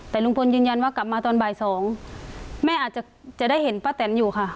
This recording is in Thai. แต่ลุงพลยืนยันว่ากลับมาตอนบ่ายสองแม่อาจจะได้เห็นป้าแตนอยู่ค่ะ